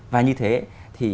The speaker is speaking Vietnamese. và như thế thì